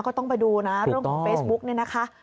ก็ต้องไปดูนะเรื่องของเฟซบุ๊กเนี่ยนะคะ